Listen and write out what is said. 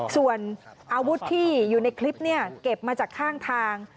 ส่วนอาวุธที่อยู่ในคลิปเนี่ยเก็บมาจากข้างทาง